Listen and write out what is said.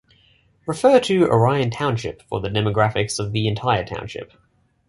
Refer to Orion Township for the demographics of the entire township.